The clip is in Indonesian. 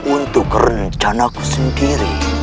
untuk rencanaku sendiri